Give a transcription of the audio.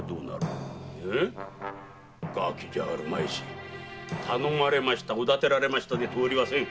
ガキじゃあるまいし「頼まれましたオダてられました」でとおりはせん。